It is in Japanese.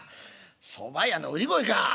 そば屋の売り声か。